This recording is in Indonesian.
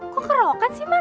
kok kerokan sih man